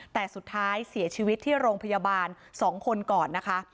แต่สุดท้ายเสียชีวิตที่โรงพยาบาล๒คนก่อนนะคะ